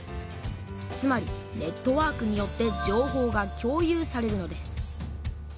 つまりネットワークによって情報が共有されるのです。